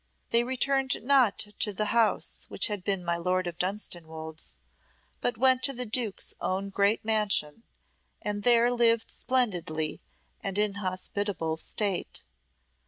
They returned not to the house which had been my Lord of Dunstanwolde's, but went to the duke's own great mansion, and there lived splendidly and in hospitable state.